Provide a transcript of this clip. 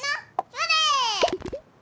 それ！